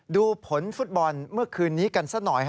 ดูผลฟุตบอลเมื่อคืนนี้กันซะหน่อย